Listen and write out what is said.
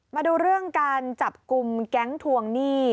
มาดูเรื่องการจับกลุ่มแก๊งทวงหนี้